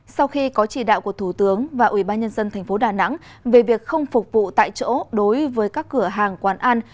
sau khi có trị đạo của thủ tướng và ủy ban nhân dân tp đà nẵng về việc không phục vụ tại chỗ đối với các cửa hàng quán ăn